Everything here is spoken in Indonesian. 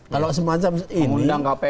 kalau semacam ini